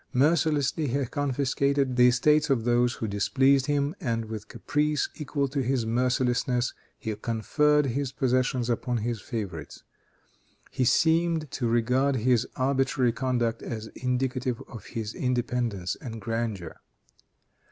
Mercilessly he confiscated the estates of those who displeased him, and with caprice equal to his mercilessness, he conferred their possessions upon his favorites. He seemed to regard this arbitrary conduct as indicative of his independence and grandeur.